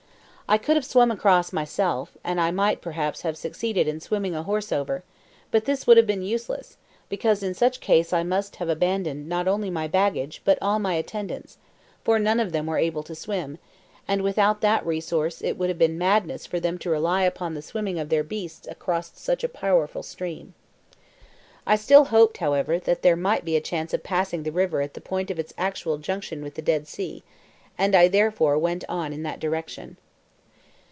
I could have swum across myself, and I might, perhaps, have succeeded in swimming a horse over; but this would have been useless, because in such case I must have abandoned not only my baggage, but all my attendants, for none of them were able to swim, and without that resource it would have been madness for them to rely upon the swimming of their beasts across such a powerful stream. I still hoped, however, that there might be a chance of passing the river at the point of its actual junction with the Dead Sea, and I therefore went on in that direction.